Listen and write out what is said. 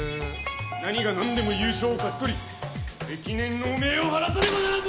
何が何でも優勝を勝ちとり積年の汚名を晴らさねばならんのだ！